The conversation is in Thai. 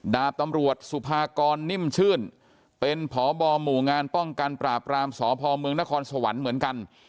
ดาบตำรวจสุภากรนิ่มชื่นเป็นพบหมู่งานป้องกันปราบรามสพเมืองนครสวรรค์เหมือนกัน